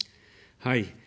はい。